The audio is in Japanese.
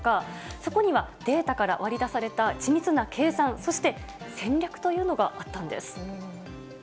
そこにはデータから割り出された緻密な計算、そして戦略というのがあったんです。